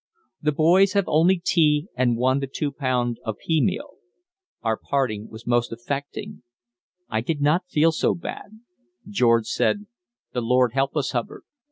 The boys have only tea and 1 2 pound of pea meal. Our parting was most affecting. I did not feel so bad. George said: 'The Lord help us, Hubbard.